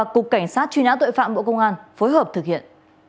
các bạn bộ công an phối hợp thực hiện